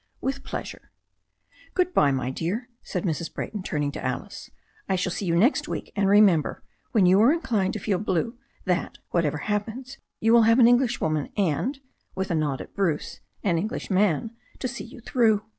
"With pleasure." "Good bye, my dear," said Mrs. Brayton, turning to Alice. "I shall see you next week, and remember when you are inclined to feel blue that, whatever happens, you will have an Englishwoman, and" — ^with a nod at Bruce — "an En glishman to see you through."